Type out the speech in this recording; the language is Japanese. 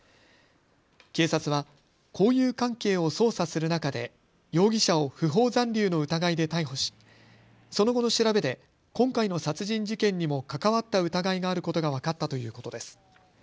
警察は交友関係を捜査する中で容疑者を不法残留の疑いで逮捕しその後の調べで今回の殺人事件にも関わった疑いがあることが分かったということです。